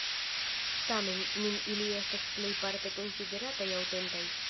Tamen, nun ili estas plejparte konsiderataj aŭtentaj.